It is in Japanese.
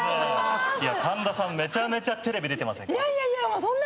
神田さんめちゃめちゃテレビ出てませんか？